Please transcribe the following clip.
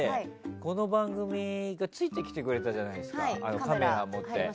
この番組がついてきてくれたじゃないですかカメラを持って。